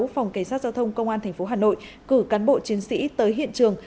phòng cảnh sát giao thông công an tp hà nội cử cán bộ chiến sĩ tới hiện trường